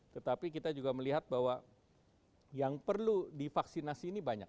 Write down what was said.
tetapi kita juga melihat bahwa yang perlu divaksinasi ini banyak